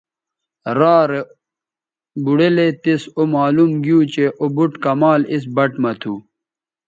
را رے بوڑیلے تس معلوم گیو چہء او بُٹ کمال اِس بَٹ مہ تھو